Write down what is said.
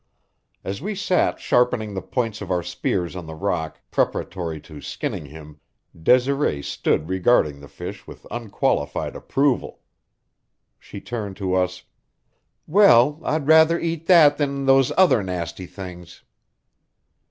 As we sat sharpening the points of our spears on the rock, preparatory to skinning him, Desiree stood regarding the fish with unqualified approval. She turned to us: "Well, I'd rather eat that than those other nasty things."